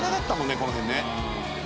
この辺ね」